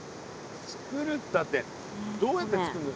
つくるったってどうやってつくんの？